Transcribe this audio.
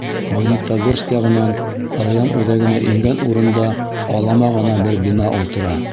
Магнитогорск яғынан район үҙәгенә ингән урында алама ғына бер бина ултыра.